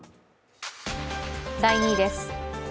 第２位です。